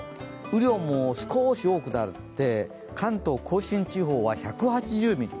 雨量も少し多くなって関東甲信地方は１８０ミリ。